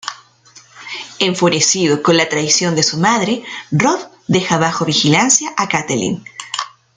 Enfurecido con la traición de su madre, Robb deja bajo vigilancia a Catelyn.